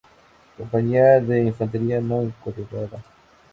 Compañía de Infantería No Encuadrada.